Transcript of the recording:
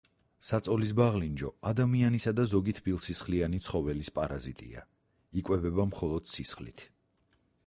საწოლის ბაღლინჯო ადამიანისა და ზოგი თბილსისხლიანი ცხოველის პარაზიტია; იკვებება მხოლოდ სისხლით.